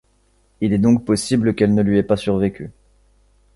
Il est donc possible qu'elle ne lui ait pas survécu.